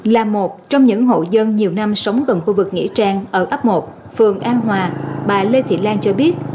là một trong những hộ dân nhiều năm sống gần khu vực nghĩa trang ở ấp một phường an hòa bà lê thị lan cho biết